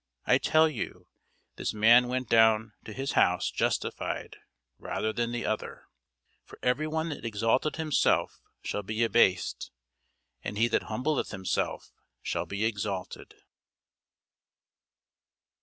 I tell you, this man went down to his house justified rather than the other: for every one that exalteth himself shall be abased; and he that humbleth himself shall be exalted.